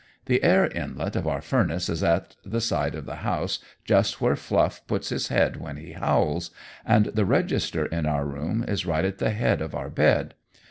The air inlet of our furnace is at the side of the house just where Fluff puts his head when he howls, and the register in our room is right at the head of our bed.